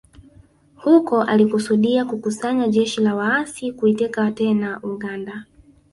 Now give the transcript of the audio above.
Huko alikusudia kukusanya jeshi la waasi kuiteka tena Uganda